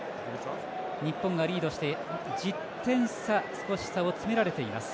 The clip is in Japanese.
日本がリードして１０点差少し差を詰められています。